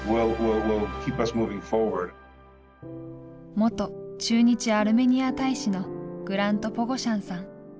元駐日アルメニア大使のグラント・ポゴシャンさん。